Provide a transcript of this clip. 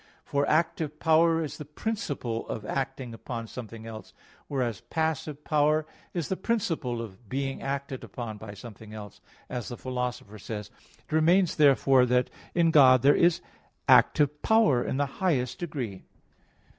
For active power is the principle of acting upon something else; whereas passive power is the principle of being acted upon by something else, as the Philosopher says (Metaph. v, 17). It remains, therefore, that in God there is active power in the highest degree.